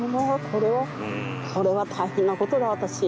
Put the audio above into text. これは大変な事だ私。